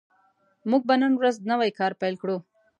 موږ به نن ورځ نوی کار پیل کړو